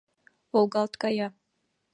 волгалт кая.